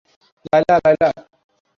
Laila, Laila.